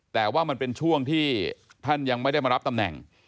แต่ว่ามันเป็นช่วงที่ท่านยังไม่ได้มารับตำแหน่ง